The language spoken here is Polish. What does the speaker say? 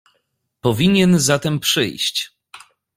"Powinien zatem przyjść."